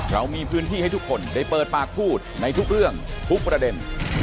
เรามีพื้นที่ให้ทุกคนได้เปิดปากพูดในทุกเรื่องทุกประเด็น